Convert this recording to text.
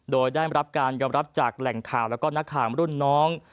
โดยได้รับการยอมรับจากแหล่งข่าวแล้วก็นักข่าวรุ่นน้อง